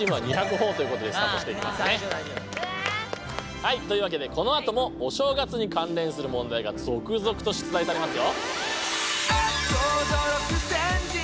はいというわけでこのあともお正月に関連する問題が続々と出題されますよ。